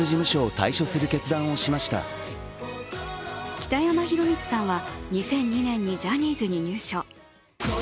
北山宏光さんは２００２年にジャニーズに入所。